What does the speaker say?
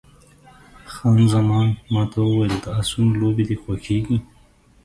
خان زمان ما ته وویل، د اسونو لوبې دې خوښېږي؟